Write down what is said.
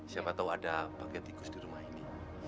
siapa tahu ada paket tikus di rumah ini